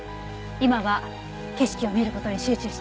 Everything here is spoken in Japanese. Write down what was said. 今は景色を見る事に集中してください。